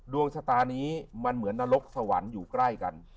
ดวงชะตานี้มันเหมือนนรกสวรรค์อยู่ใกล้กัน